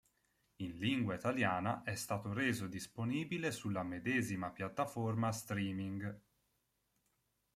In lingua italiana è stato reso disponibile sulla medesima piattaforma streaming.